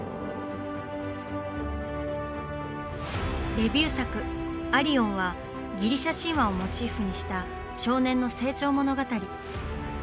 デビュー作「アリオン」はギリシャ神話をモチーフにした少年の成長物語。